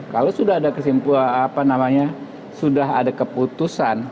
kalau sudah ada kesimpulan apa namanya sudah ada keputusan